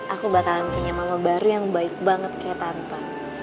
aku bakalan punya mama baru yang baik banget kayak tanpa